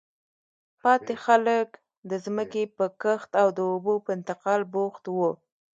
پاتې خلک د ځمکې په کښت او د اوبو په انتقال بوخت وو.